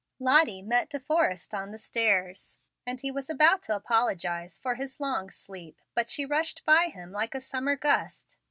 Lottie met De Forrest on the stairs, and he was about to apologize for his long sleep, but she rushed by him like a summer gust.